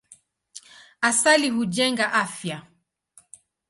Asali hujenga afya.